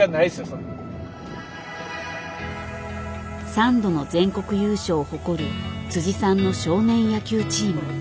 ３度の全国優勝を誇るさんの少年野球チーム。